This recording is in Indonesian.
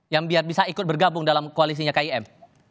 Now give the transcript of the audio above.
yang biar bisa ikut bergabung dalam koalisinya kim